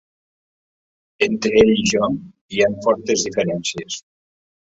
Entre ell i jo hi ha fortes diferències.